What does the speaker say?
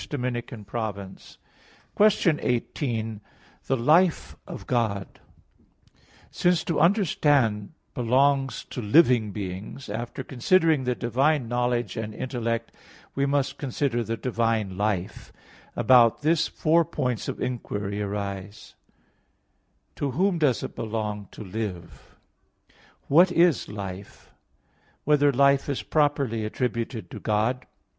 _______________________ QUESTION 18 THE LIFE OF GOD (In Four Articles) Since to understand belongs to living beings, after considering the divine knowledge and intellect, we must consider the divine life. About this, four points of inquiry arise: (1) To whom does it belong to live? (2) What is life? (3) Whether life is properly attributed to God?